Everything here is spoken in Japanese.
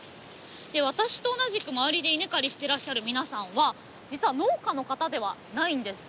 私と同じく周りで稲刈りしてらっしゃる皆さんは実は農家の方ではないんです。